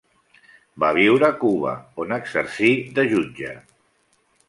Va viure a Cuba, on exercí de jutge.